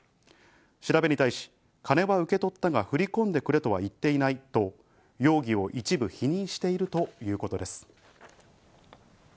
調べに対し、彼は受け取ったが、振り込んでくれとは言っていないと容疑を一部否認しているということです。